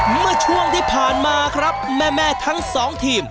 เมื่อช่วงที่ผ่านมาครับแม่ทั้งสองทีม